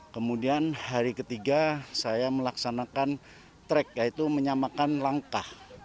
kemudian hari ketiga saya melaksanakan track yaitu menyamakan langkah